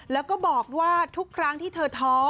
แล้วก็บอกว่าทุกครั้งที่เธอท้อ